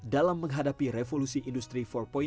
dalam menghadapi revolusi industri empat